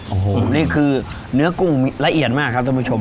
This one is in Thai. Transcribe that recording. โอ้โหนี่คือเนื้อกุ้งละเอียดมากครับท่านผู้ชม